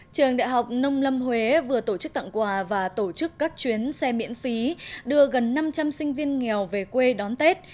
trường đại học nông lâm huế vừa tổ chức tặng quà và tổ chức các chuyến xe miễn phí đưa gần năm trăm linh sinh viên nghèo về quê đón tết